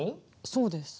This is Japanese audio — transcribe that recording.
そうです。